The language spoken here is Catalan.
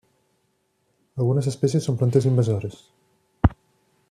Algunes espècies són plantes invasores.